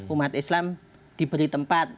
umat islam diberi tempat